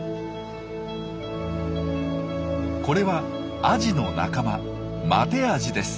これはアジの仲間マテアジです。